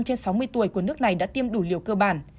trên sáu mươi tuổi của nước này đã tiêm đủ liều cơ bản